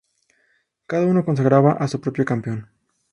Cada uno consagraba a su propio campeón.